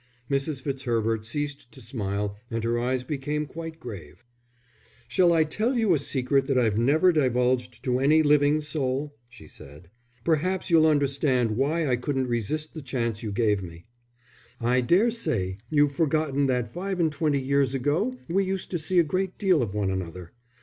Mrs. Fitzherbert ceased to smile and her eyes became quite grave. "Shall I tell you a secret that I've never divulged to any living soul?" she said. "Perhaps you'll understand why I couldn't resist the chance you gave me. I daresay you've forgotten that five and twenty years ago we used to see a great deal of one another.